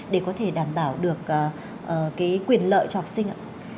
để có thể đảm bảo được cái quyền lợi cho học sinh ạ